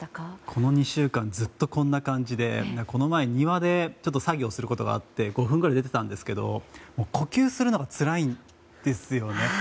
この２週間ずっとこんな感じでこの前、庭で作業をすることがあって５分ぐらい出てたんですけど呼吸するのがつらいですよね。